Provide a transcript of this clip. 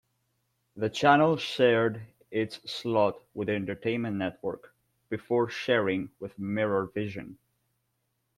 The channel shared its slot with The Entertainment Network, before sharing with Mirrorvision.